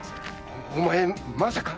お前まさか！